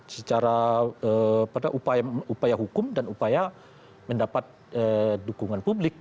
secara pada upaya hukum dan upaya mendapat dukungan publik